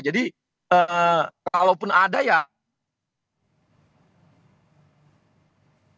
jadi eh kalaupun ada yang